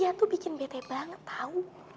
ia tuh bikin bete banget tau